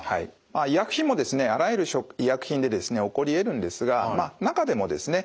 医薬品もですねあらゆる医薬品で起こりえるんですが中でもですね